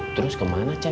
terus kemana cek